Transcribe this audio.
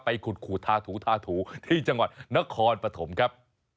ขูดทาถูทาถูที่จังหวัดนครปฐมครับ